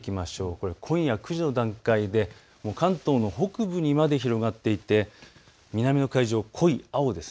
これは今夜９時の段階で関東の北部にまで広がっていて南の海上、濃い青です。